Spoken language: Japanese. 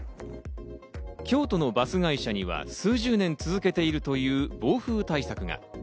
京都のバス会社には数十年続けているという防風対策が。